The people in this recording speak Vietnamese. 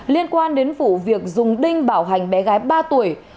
liên quan đến vụ việc dùng đinh bảo hành bé gái ba tuổi